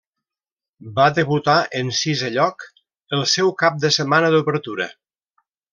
Va debutar en sisè lloc el seu cap de setmana d'obertura.